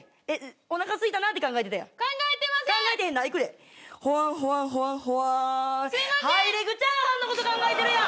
おなかすいたなって考えてません。